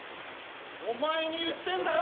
お前に言ってんだよ！